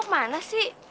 lu mau kemana sih